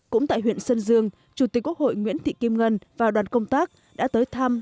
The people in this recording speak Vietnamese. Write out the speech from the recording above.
cũng tại huyện sơn dương chủ tịch quốc hội nguyễn thị kim ngân và đoàn công tác đã tới thăm